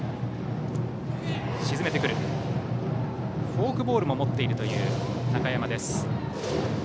フォークボールも持っているという中山です。